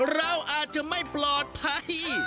เราอาจจะไม่ปลอดภัย